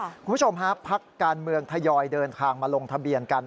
คุณผู้ชมฮะพักการเมืองทยอยเดินทางมาลงทะเบียนกัน